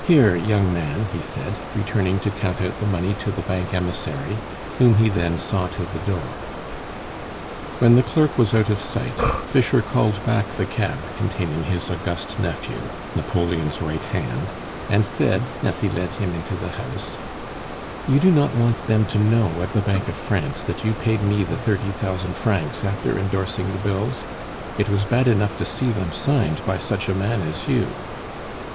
"Here, young man," he said, returning to count out the money to the bank emissary, whom he then saw to the door. When the clerk was out of sight, Fischer called back the cab containing his august nephew, Napoleon's right hand, and said, as he led him into the house: "You do not want them to know at the Bank of France that you paid me the thirty thousand francs, after endorsing the bills? It was bad enough to see them signed by such a man as you!